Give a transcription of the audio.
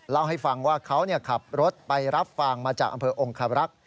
เล่าให้ฟังว่าเขาขับรถไปรับฟางมาจากอำเภอองคารักษ์